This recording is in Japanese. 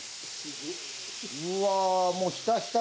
うわーもうひたひたに。